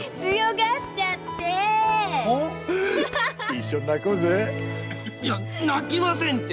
一緒に泣こうぜ！いや泣きませんって！